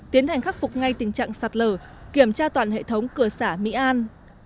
tiến hành khắc phục ngay tình trạng sạt lở kiểm tra toàn hệ thống cửa xã mỹ an